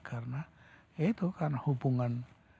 karena itu kan hubungan